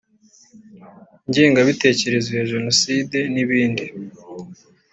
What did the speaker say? ingengabitekerezo ya genocide n ibindi